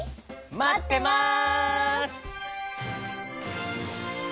まってます！